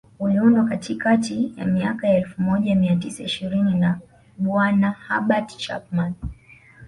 uliundwa katikati ya miaka ya elfu moja mia tisa ishirini na bwana Herbert Chapman